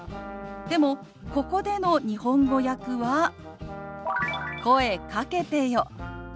でもここでの日本語訳は「声かけてよ」。